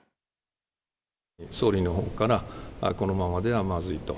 総理のほうから、このままではまずいと。